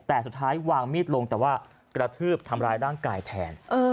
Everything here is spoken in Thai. แต่สุดท้ายวางมีดลงแต่ว่ากระทืบทำร้ายร่างกายแทน